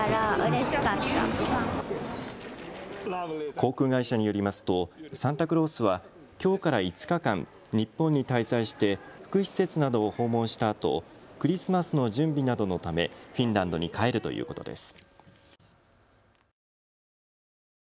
航空会社によりますとサンタクロースはきょうから５日間、日本に滞在して福祉施設などを訪問したあとクリスマスの準備などのためフィンランドに帰るということです。